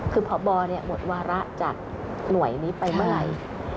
คือพบหมดวาระจากหน่วยนี้ไปเมื่อไหร่